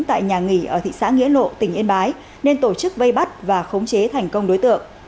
tại nhà nghỉ ở thị xã nghĩa lộ tỉnh yên bái nên tổ chức vây bắt và khống chế thành công đối tượng